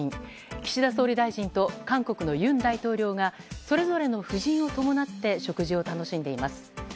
岸田総理大臣と韓国の尹大統領がそれぞれの夫人を伴って食事を楽しんでいます。